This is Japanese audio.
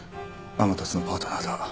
天達のパートナーだ。